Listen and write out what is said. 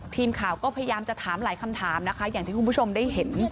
ทีมข่าวก็พยายามจะถามหลายคำถามนะคะอย่างที่คุณผู้ชมได้เห็น